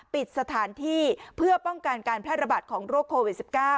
ปิดสถานที่เพื่อป้องกันการแพร่ระบาดของโรคโควิด๑๙